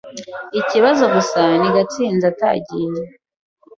Ikibazo gusa ni Gatsinzi atagiye.